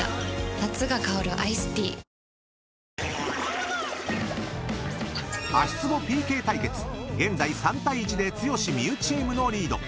夏が香るアイスティー［足つぼＰＫ対決現在３対１で剛・望結チームのリード］